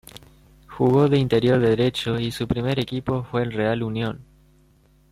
Jugó de interior derecho y su primer equipo fue el Real Unión.